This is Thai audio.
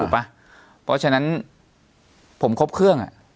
เพราะฉะนั้นผมครบเครื่อง